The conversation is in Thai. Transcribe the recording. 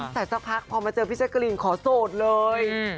แต่สักพักพอมาเจอพี่แจ๊กกะรีนขอโสดเลย